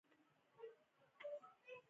مېوند جراپي نه په پښو کوي.